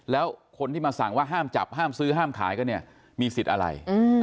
แล้วคนที่มาสั่งว่าห้ามจับห้ามซื้อห้ามขายกันเนี่ยมีสิทธิ์อะไร